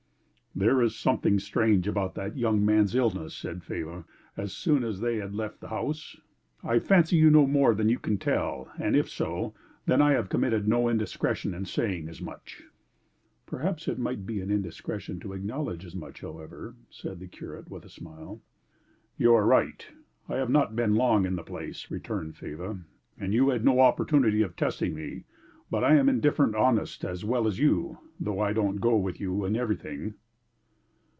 "There is something strange about that young man's illness," said Faber, as soon as they had left the house. "I fancy you know more than you can tell, and if so, then I have committed no indiscretion in saying as much." "Perhaps it might be an indiscretion to acknowledge as much however," said the curate with a smile. "You are right. I have not been long in the place," returned Faber, "and you had no opportunity of testing me. But I am indifferent honest as well as you, though I don't go with you in everything."